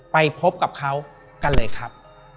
ไปพบกับเขากันเลยครับ